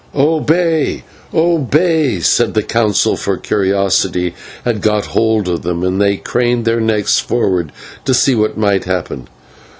"Obey! Obey!" said the Council, for curiosity had got a hold of them, and they craned their necks forward to see what might happen.